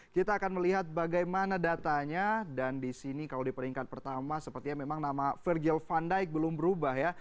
kita akan melihat bagaimana datanya dan di sini kalau di peringkat pertama sepertinya memang nama virgil van dijk belum berubah ya